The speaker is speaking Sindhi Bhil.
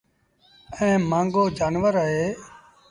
ائيٚݩ مهآݩگو جآݩور اهي